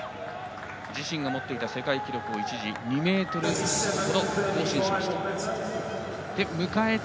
自身が持っていた世界記録を一時２ｍほど更新しました。